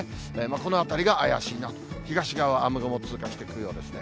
このあたりが怪しいなと、東側、雨雲通過してくるようですね。